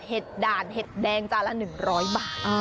ด่านเห็ดแดงจานละ๑๐๐บาท